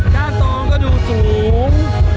กระต่อมก็ดูสูง